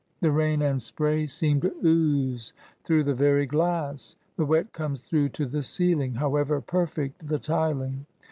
The rain and spray seem to ooze through the very glass. The wet comes through to the ceiling, however perfect the tiling.